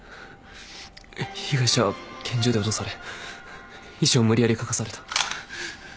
被害者は拳銃で脅され遺書を無理やり書かされた。